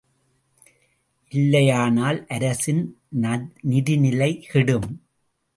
இல்லையானால் அரசின் நிதிநிலை கெடும்.